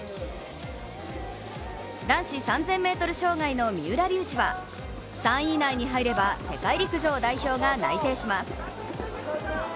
男子３０００ｍ障害の三浦龍司は３位以内に入れば世界陸上代表が内定します。